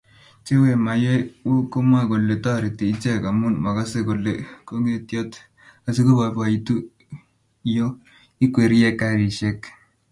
che we maywekkomwae kole toreti ichek amu magasee kole kongetyo asigoboiboitu yo ikwerie karishek